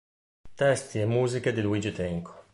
Testi e musiche di Luigi Tenco.